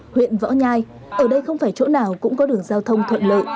huyện võ nhai ở đây không phải chỗ nào cũng có đường giao thông thuận lợi